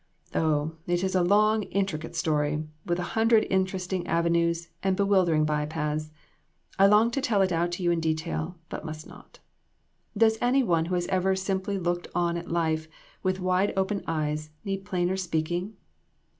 Oh, it is a long, intricate story, with a hundred interesting ave nues and bewildering by paths. I long to tell it out to you in detail, but must not. Does any one who has even simply looked on at life, with wide open eyes, need plainer speaking